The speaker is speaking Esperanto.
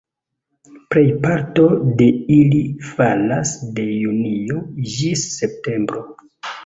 Plejparto de ili falas de junio ĝis septembro.